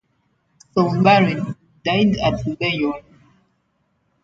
Soulary died at Lyon.